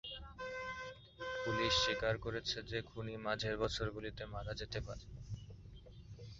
Police স্বীকার করেছে যে খুনি মাঝের বছরগুলিতে মারা যেতে পারে।